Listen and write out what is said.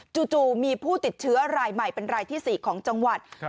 จู่มีผู้ติดเชื้อรายใหม่เป็นรายที่๔ของจังหวัด